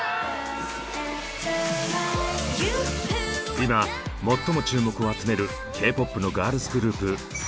今最も注目を集めるＫ−ＰＯＰのガールズグループＩＶＥ。